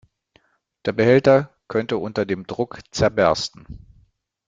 Der Behälter könnte unter dem Druck zerbersten.